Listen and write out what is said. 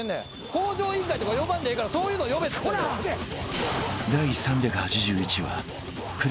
『向上委員会』とか呼ばんでええからそういうの呼べっつってんねん。